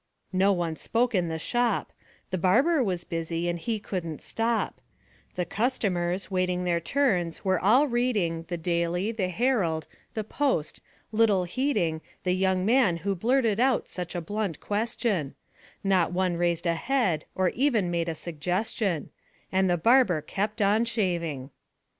No one spoke in the shop, The barber was busy, and he couldn't stop; The customers, waiting their turns, were all reading The 'Daily,' the 'Herald,' the 'Post,' little heeding The young man who blurted out such a blunt question; Not one raised a head, or even made a suggestion; And the barber kept on shaving.